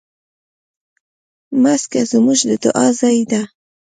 مځکه زموږ د دعا ځای ده.